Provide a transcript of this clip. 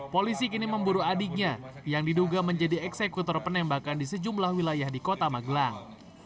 polisi kini memburu adiknya yang diduga menjadi eksekutor penembakan di sejumlah wilayah di kota magelang